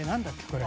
これ。